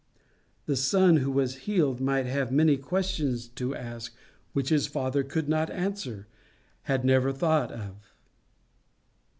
The son who was healed might have many questions to ask which the father could not answer, had never thought of.